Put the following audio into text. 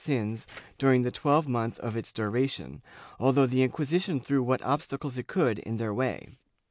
270 JEWS [Book VIII sins during the twelvemonth of its duration, although the Inqui sition threw what obstacles it could in their way.